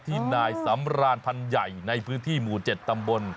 ที่นายสำรานพันใหญ่ในพื้นที่หมู่๗ตำบล